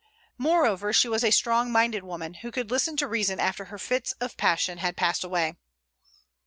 Moreover, she was a strong minded woman, who could listen to reason after her fits of passion had passed away.